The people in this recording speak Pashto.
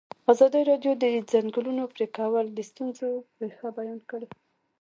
ازادي راډیو د د ځنګلونو پرېکول د ستونزو رېښه بیان کړې.